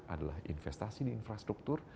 adalah investasi di infrastruktur